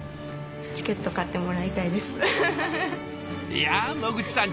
いや野口さん